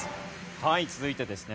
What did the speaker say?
はい続いてですね